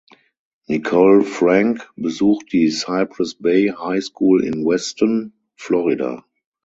Nicole Frank besucht die Cypress Bay High School in Weston (Florida).